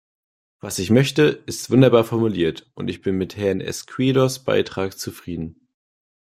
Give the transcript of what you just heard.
Was ich möchte, ist wunderbar formuliert, und ich bin mit Herrn Izquierdos Beitrag zufrieden.